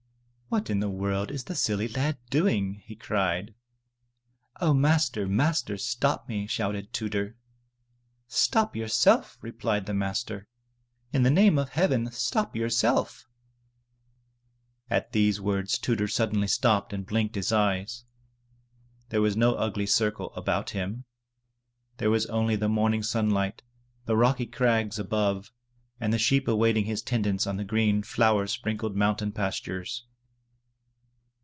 What in the world is the silly lad doing?" he cried. "O, Master, Master, stop me!'' shouted Tudur. *' Stop yourself!*' replied the master. " In the name of heaven, stop yourself!" At these words Tudur suddenly stopped and blinked his eyes. There was no ugly circle about him. There was only the morning sunlight, the rocky crags above, and the sheep awaiting his tendance on the green, flower sprinkled mountain pastures.